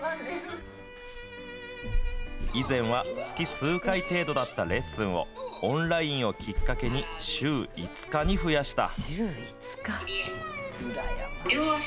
以前は月数回程度だったレッスンを、オンラインをきっかけに週５日に増やした。